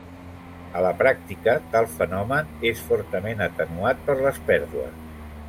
A la pràctica tal fenomen és fortament atenuat per les pèrdues.